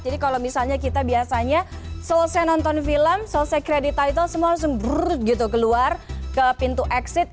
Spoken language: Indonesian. jadi kalau misalnya kita biasanya selesai nonton film selesai kredit title semua langsung brrrr gitu keluar ke pintu exit